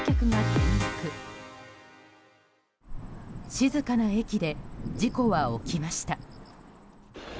静かな駅で事故は起きました。